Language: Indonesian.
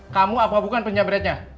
kamu apa bukan penjamretnya